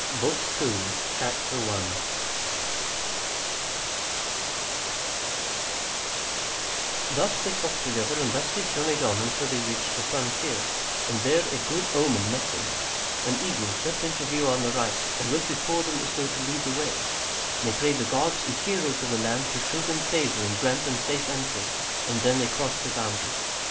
BOOK II [C.1] Thus they talked together, and thus they journeyed on until they reached the frontier, and there a good omen met them: an eagle swept into view on the right, and went before them as though to lead the way, and they prayed the gods and heroes of the land to show them favour and grant them safe entry, and then they crossed the boundary.